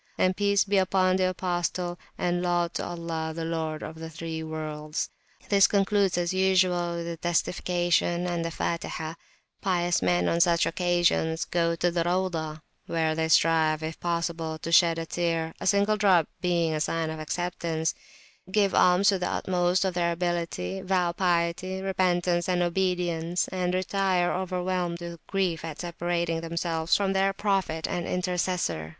and Peace be upon the Apostle, and Laud to Allah, the Lord of the (three) Worlds. This concludes, as usual, with the Testification and the Fatihah. Pious men on such an occasion go to the Rauzah, where they strive, if possible, to shed a tear,a single drop being a sign of acceptance, give alms to the utmost of their ability, vow piety, repentance, and obedience, and retire overwhelmed with grief, at separating themselves from their Prophet and Intercessor.